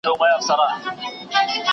تاسي په خپلو سترګو کي تور رانجه اچوئ.